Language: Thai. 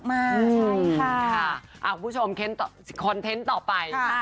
ใช่ค่ะคุณผู้ชมเคล็นต์ต่อคอนเทนต์ต่อไปค่ะ